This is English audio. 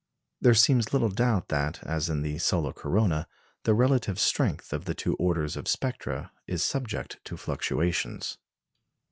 There seems little doubt that, as in the solar corona, the relative strength of the two orders of spectra is subject to fluctuations.